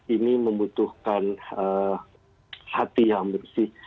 ini membutuhkan hati yang bersih